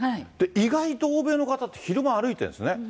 意外と欧米の方って、昼間歩いてるんですね。